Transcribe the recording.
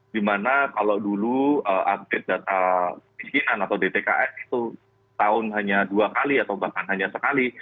dimana kalau dulu update data miskinan atau dtks itu tahun hanya dua kali atau bahkan hanya sekali